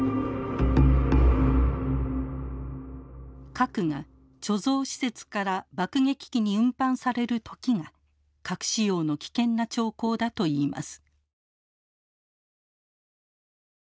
核が貯蔵施設から爆撃機に運搬される時が核使用の危険な兆候だといいます。